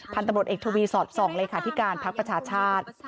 พันธ์ตำรวจเอ็กซ์ทวีสอด๒เลยค่ะที่การภาคประชาชาติ